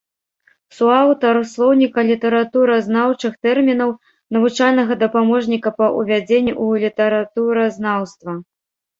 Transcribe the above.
Суаўтар слоўніка літаратуразнаўчых тэрмінаў, навучальнага дапаможніка па ўвядзенні ў літаратуразнаўства.